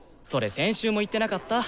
先週も言ってなかった？